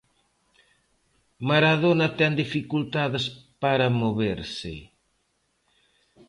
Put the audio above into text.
Maradona ten dificultades para moverse.